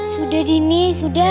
sudah dini sudah